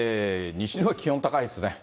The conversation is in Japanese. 西日本、気温高いですね。